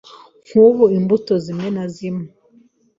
nkubu imbuto zimwe na zimwe